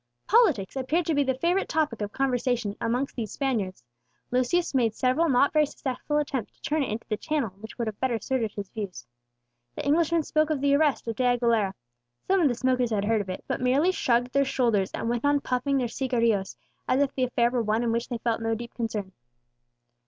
Politics appeared to be the favourite topic of conversation amongst these Spaniards. Lucius made several not very successful attempts to turn it into the channel which would have better suited his views. The Englishman spoke of the arrest of De Aguilera; some of the smokers had heard of it, but merely shrugged their shoulders and went on puffing their cigarillos, as if the affair were one in which they felt no deep concern.